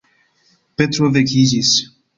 Petro vekiĝis.